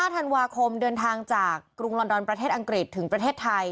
ธันวาคมเดินทางจากกรุงลอนดอนประเทศอังกฤษถึงประเทศไทย